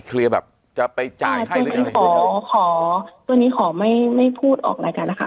เคลียร์แบบจะไปจ่ายให้หรืออะไรขอตอนนี้ขอไม่พูดออกรายการเลยค่ะ